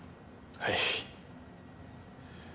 はい。